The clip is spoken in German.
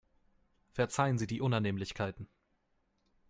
Verzeihen Sie die Unannehmlichkeiten.